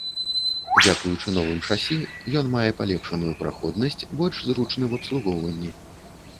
Дзякуючы новым шасі ён мае палепшаную праходнасць, больш зручны ў абслугоўванні.